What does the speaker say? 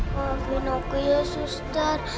maafin aku ya suster